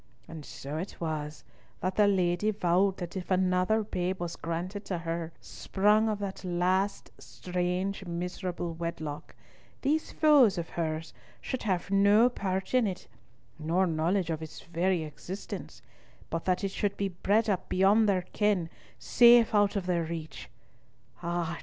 And so it was, that the lady vowed that if another babe was granted to her, sprung of that last strange miserable wedlock, these foes of hers should have no part in it, nor knowledge of its very existence, but that it should be bred up beyond their ken—safe out of their reach. Ah!